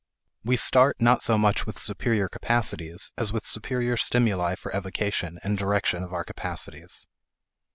We start not so much with superior capacities as with superior stimuli for evocation and direction of our capacities.